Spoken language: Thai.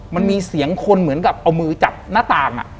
มันมีเสียงคนเหมือนกับเอามือจับหน้าต่าง